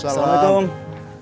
tidak memang ria hecho pagoda